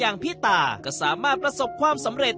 การที่บูชาเทพสามองค์มันทำให้ร้านประสบความสำเร็จ